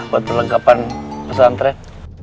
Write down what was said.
buat perlengkapan pesantren